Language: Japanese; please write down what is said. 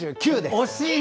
惜しいな！